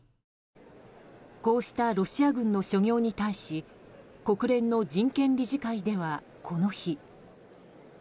こうしたロシア軍の所業に対し国連の人権理事会ではこの日。